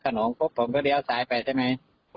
กลับมารับทราบ